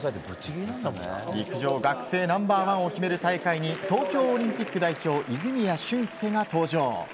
陸上学生ナンバー１を決める大会に東京オリンピック代表泉谷駿介が登場。